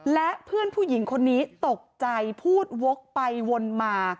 และเพื่อนผู้หญิงคนนี้ตกใจพูดวกไปวนมา